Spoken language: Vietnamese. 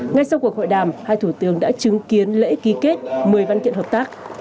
ngay sau cuộc hội đàm hai thủ tướng đã chứng kiến lễ ký kết mời văn kiện hợp tác